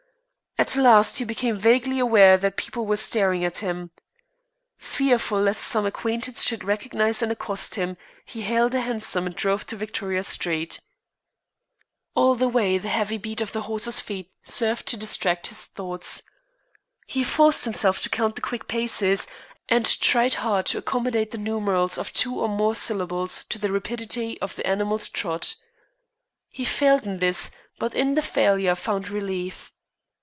At last he became vaguely aware that people were staring at him. Fearful lest some acquaintance should recognize and accost him he hailed a hansom and drove to Victoria Street. All the way the heavy beat of the horse's feet served to distract his thoughts. He forced himself to count the quick paces, and tried hard to accommodate the numerals of two or more syllables to the rapidity of the animal's trot. He failed in this, but in the failure found relief.